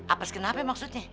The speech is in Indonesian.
apes kenapa maksudnya